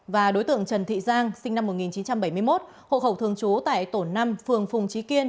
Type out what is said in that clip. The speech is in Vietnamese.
và đối tượng trần thị giang sinh năm một nghìn chín trăm bảy mươi một hộ khẩu thường trú tại tổ năm phường phùng trí kiên